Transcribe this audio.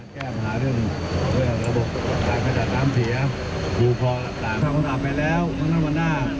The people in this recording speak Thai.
ทำให้ทุกคนดูดีความดีให้นายโยคทำกันได้หรือเปล่า